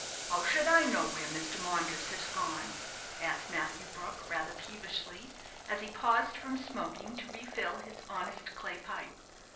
"How should I know where Mr. Maunders has gone?" asked Matthew Brook, rather peevishly, as he paused from smoking to refill his honest clay pipe.